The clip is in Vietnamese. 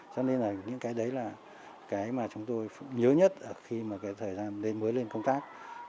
cho nên là những cái đấy là cái mà chúng tôi nhớ nhất là khi mà cái thời gian đến mới lên công tác